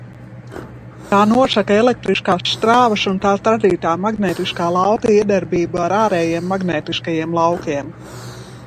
Tā nosaka elektriskās strāvas un tās radītā magnētiskā lauka iedarbību ar ārējiem magnētiskajiem laukiem.